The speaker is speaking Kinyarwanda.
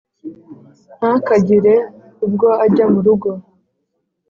ntakagire ubwo ajya mu rugo